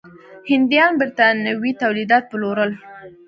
هندیان برېټانوي تولیدات پلورل.